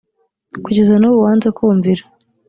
kugeza n ubu wanze kumvira.